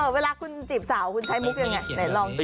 เวลาคุณจีบสาวคุณใช้มุกยังไงไหนลอง